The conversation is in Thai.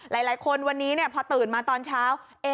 หลายคนวันนี้พอตื่นมาตอนเช้า